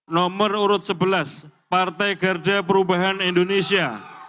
nomor urut sebelas partai garda perubahan indonesia